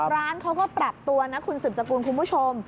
ร้านเขาก็ปรับตัวนะคุณสืบสกุลคุณผู้ชม